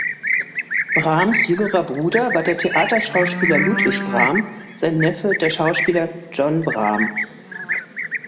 Brahms jüngerer Bruder war der Theaterschauspieler Ludwig Brahm, sein Neffe der Schauspieler John Brahm.